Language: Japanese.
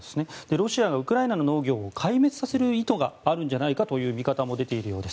ロシアがウクライナの農業を壊滅させる意図があるんじゃないかという見方も出ているようです。